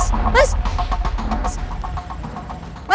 aku mau ke rumah